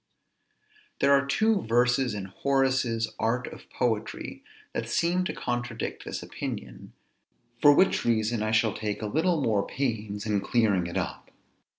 There are two verses in Horace's Art of Poetry that seem to contradict this opinion; for which reason I shall take a little more pains in clearing it up.